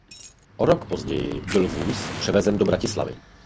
O rok později byl vůz převezen do Bratislavy.